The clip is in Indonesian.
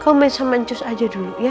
kamu main sama ancus aja dulu ya